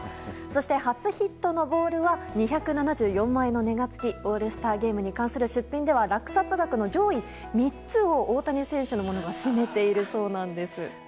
そして、初ヒットのボールは２７４万円の値が付きオールスターゲームに関する出品では落札額の上位３つを大谷選手のものが占めているそうなんです。